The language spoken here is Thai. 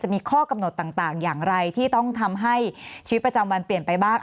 มีข้อกำหนดต่างอย่างไรที่ต้องทำให้ชีวิตประจำวันเปลี่ยนไปบ้าง